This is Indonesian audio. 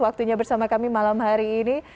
waktunya bersama kami malam hari ini